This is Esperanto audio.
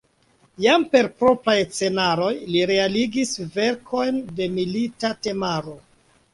Jam per propraj scenaroj li realigis verkojn de milita temaro.